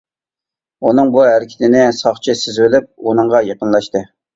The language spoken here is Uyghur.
ئۇنىڭ بۇ ھەرىكىتىنى ساقچى سېزىۋېلىپ ئۇنىڭغا يېقىنلاشتى.